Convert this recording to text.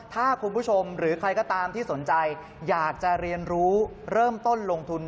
ถ้าคุณผู้ชมหรือใครก็ตามที่สนใจอยากจะเรียนรู้เริ่มต้นลงทุน